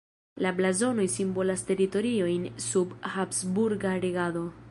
La blazonoj simbolas teritoriojn sub habsburga regado.